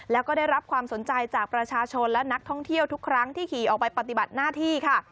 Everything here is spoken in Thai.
แล้วก็ได้รับความสนใจจากประชาชนและนักท่องเที่ยวทุกครั้งที่ขี่ออกไปปฏิบัติหน้าที่ค่ะ